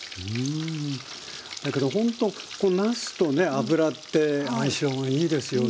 だけどほんとこのなすとね油って相性がいいですよね。